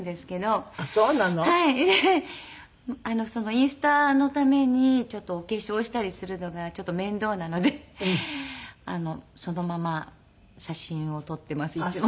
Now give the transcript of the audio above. インスタのためにお化粧したりするのがちょっと面倒なのでそのまま写真を撮っていますいつも。